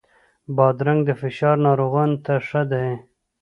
بادرنګ د فشار ناروغانو ته ښه دی.